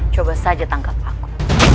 coba saja tangkap aku